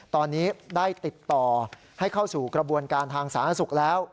ตอนนี้ได้ติดต่อให้เข้าสู่กระบวนการทางสาธารณสุขแล้ว